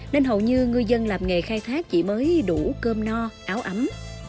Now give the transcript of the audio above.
nên hầu như ngư dân làm nghề khai thác chỉ mới đủ cơm no áo ấm